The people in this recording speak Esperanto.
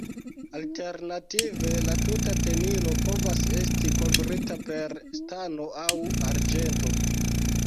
Alternative la tuta tenilo povas estis kovrita per stano aŭ arĝento.